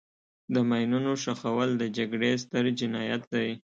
د ماینونو ښخول د جګړې ستر جنایت دی.